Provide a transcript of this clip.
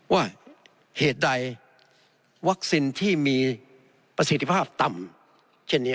ว่าเหตุใดวัคซีนที่มีประสิทธิภาพต่ำเช่นนี้